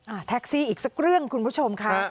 แท็กซี่อีกสักเรื่องคุณผู้ชมค่ะ